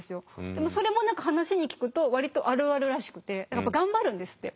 でもそれも何か話に聞くと割とあるあるらしくて頑張るんですって。